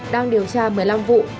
đang điều tra một mươi năm vụ